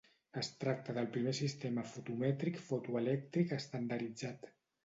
Es tracta del primer sistema fotomètric fotoelèctric estandarditzat.